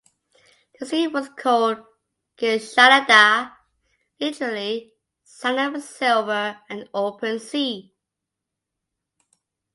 The scene was called "ginshanada", literally "sand of silver and open sea".